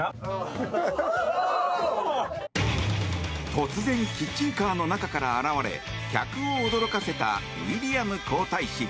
突然キッチンカーの中から現れ客を驚かせたウィリアム皇太子。